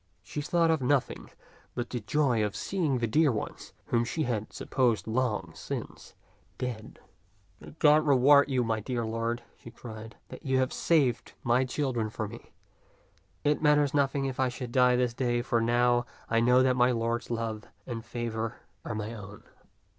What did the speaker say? She thought of no thing but the joy of seeing the dear ones whom she had supposed long since dead. " May God reward you, my dear lord," she cried, " that you have saved my children for me. It matters nothing if I should die this day, for now I know that my lord's love and favor are my own."